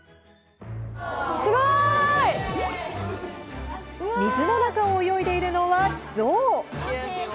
すごい！水の中を泳いでいるのはゾウ。